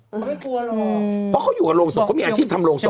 ผมไม่กลัวหรอกเพราะเขาอยู่กับโรงศพเขามีอาชีพทำโรงศพ